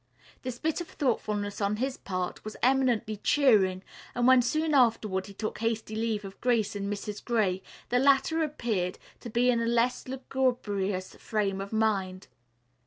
This bit of thoughtfulness on his part was eminently cheering, and when soon afterward he took hasty leave of Grace and Mrs. Gray the latter appeared to be in a less lugubrious frame of mind.